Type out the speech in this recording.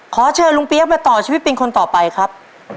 ขอเชิญลุงเปี๊ยกมาต่อชีวิตเป็นคนต่อไปครับ